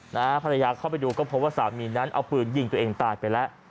ภรรยาเข้าไปดูก็พบว่าสามีนั้นเอาปืนยิงตัวเองตายไปแล้ว